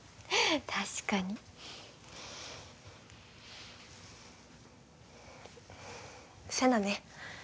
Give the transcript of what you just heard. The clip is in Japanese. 確かに世奈ね